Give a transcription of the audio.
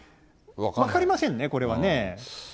分かりませんね、これはね。